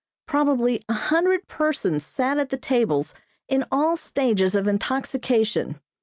Probably a hundred persons sat at the tables in all stages of intoxication.